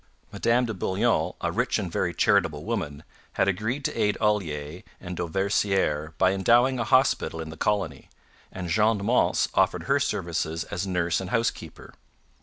Madame de Bullion, a rich and very charitable woman, had agreed to aid Olier and Dauversiere by endowing a hospital in the colony, and Jeanne Mance offered her services as nurse and housekeeper.